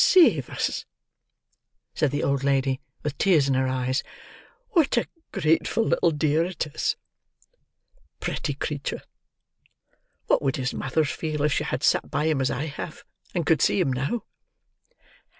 "Save us!" said the old lady, with tears in her eyes. "What a grateful little dear it is. Pretty creetur! What would his mother feel if she had sat by him as I have, and could see him now!"